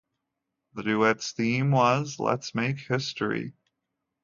The duet's theme was "Let's make history".